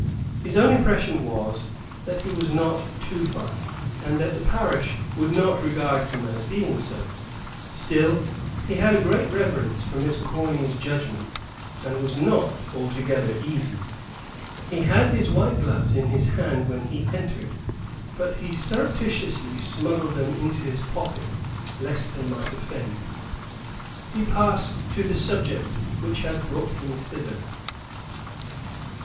His own impression was, that he was not too fine, and that the parish would not regard him as being so; still, he had a great reverence for Miss Corny's judgment, and was not altogether easy. He had had his white gloves in his hand when he entered, but he surreptitiously smuggled them into his pocket, lest they might offend. He passed to the subject which had brought him thither.